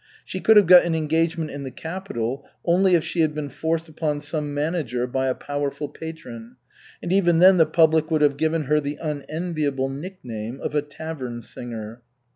She could have got an engagement in the capital only if she had been forced upon some manager by a powerful patron, and even then the public would have given her the unenviable nickname of "a tavern singer."